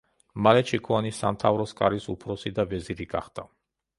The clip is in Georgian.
მალე ჩიქოვანი სამთავროს კარის „უფროსი და ვეზირი“ გახდა.